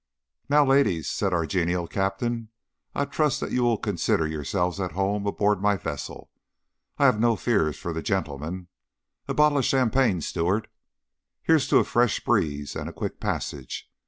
"Now, ladies," said our genial Captain, "I trust that you will consider yourselves at home aboard my vessel. I have no fears for the gentlemen. A bottle of champagne, steward. Here's to a fresh breeze and a quick passage!